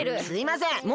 すいません。